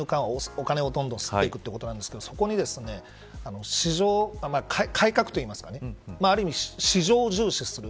お金をどんどん刷っていくということなんですがそこに改革というかある意味、市場を重視する。